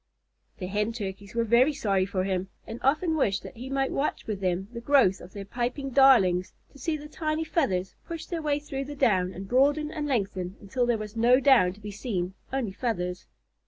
The Hen Turkeys were very sorry for him, and often wished that he might watch with them the growth of their piping darlings, to see the tiny feathers push their way through the down and broaden and lengthen until there was no down to be seen only feathers.